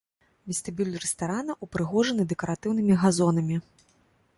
Вестыбюль рэстарана ўпрыгожаны дэкаратыўным газонамі.